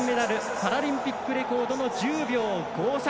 パラリンピックレコードの１０秒５３。